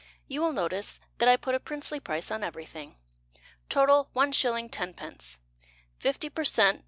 (You will notice that I put a princely price on everything), Total, 1s. 10d. Fifty per cent.